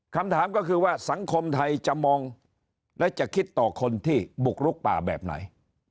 คำถามก็คือว่าสังคมไทยจะมองและจะคิดต่อคนที่บุกลุกป่าแบบไหน